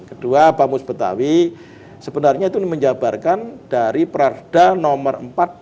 kedua pak mus betawi sebenarnya itu menjabarkan dari prada nomor empat dua ribu lima belas